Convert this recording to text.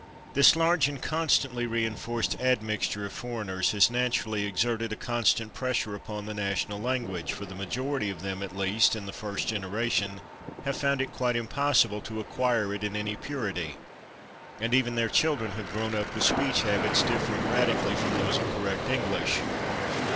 This large and constantly reinforced admixture of foreigners has naturally exerted a constant pressure upon the national language, for the majority of them, at least in the first generation, have found it quite impossible to acquire it in any purity, and even their children have grown up with speech habits differing radically from those of correct English.